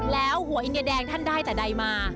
แล้วหัวอินเดียแดงท่านได้แต่ใดมา